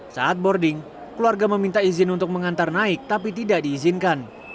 saat boarding keluarga meminta izin untuk mengantar naik tapi tidak diizinkan